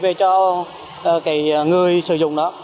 về cho người sử dụng đó